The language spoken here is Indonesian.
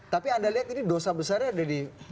tapi anda lihat ini dosa besarnya dari